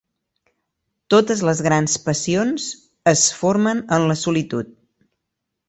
Totes les grans passions es formen en la solitud.